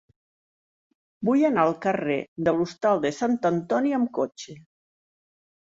Vull anar al carrer de l'Hostal de Sant Antoni amb cotxe.